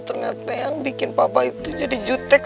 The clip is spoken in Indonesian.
ternyata yang bikin papa itu jadi jutek